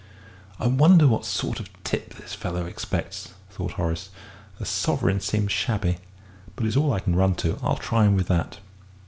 "I wonder what sort of tip this fellow expects," thought Horace; "a sovereign seems shabby but it's all I can run to. I'll try him with that."